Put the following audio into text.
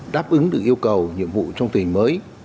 đáp ứng được yêu cầu nhiệm vụ trong tình mới